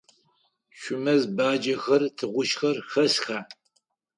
Шъуимэз баджэхэр, тыгъужъхэр хэсха?